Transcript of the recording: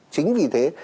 chính vì thế